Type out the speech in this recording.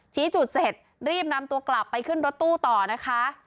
ชี้จุดเสร็จรีบนำตัวกลับไปขึ้นรถตู้ต่อนะคะ